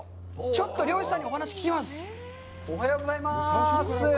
ちょっと漁師さんにお話を聞きます。